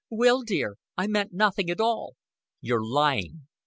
"Will, dear, I meant nothing at all." "You're lying."